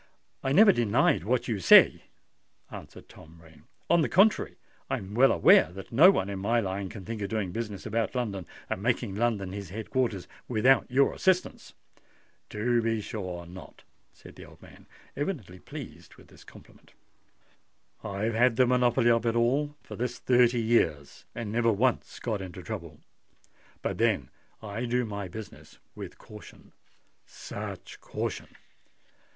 "I never denied what you say," answered Tom Rain. "On the contrary, I am well aware that no one in my line can think of doing business about London, and making London his head quarters, without your assistance." "To be sure not!" said the old man, evidently pleased by this compliment. "I've had the monopoly of it all for this thirty years, and never once got into trouble. But then I do my business with caution—such caution!